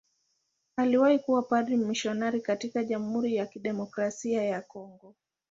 Aliwahi kuwa padri mmisionari katika Jamhuri ya Kidemokrasia ya Kongo.